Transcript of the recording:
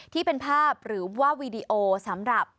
ที่เป็นภาพหรือว่าวีดีโอสำหรับ